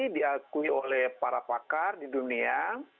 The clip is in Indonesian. diakui oleh para pakar di dunia